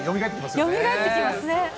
よみがえってきますよね。